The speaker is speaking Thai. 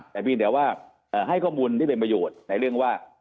แต่เพียงแต่ว่าให้ข้อมูลที่เป็นประโยชน์ในเรื่องว่า